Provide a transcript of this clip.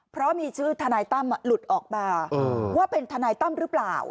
เพราะมีชื่อทนายตั้มหลุดออกมาว่าเป็นทนายตั้มหรือเปล่า